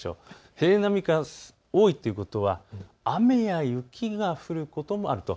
平年並みか多いということは雨や雪が降ることもあると。